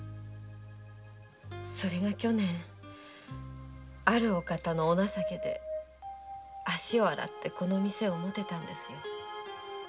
それが去年あるお方のお情けで足を洗ってこの店を持てたんですよ。